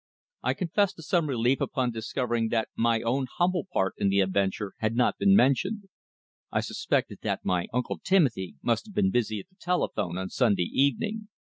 I confess to some relief upon discovering that my own humble part in the adventure had not been mentioned. I suspected that my Uncle Timothy must have been busy at the telephone on Sunday evening!